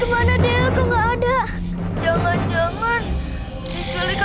he he kena lo haha dibohongi ha muat dia